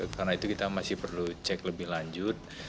karena itu kita masih perlu cek lebih lanjut